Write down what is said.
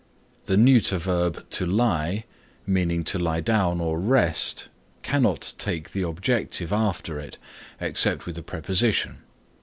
The neuter verb to lie, meaning to lie down or rest, cannot take the objective after it except with a preposition.